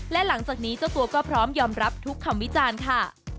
และหลังจากนี้เจ้าตัวก็พร้อมยอมรับทุกคำวิจารณ์ค่ะ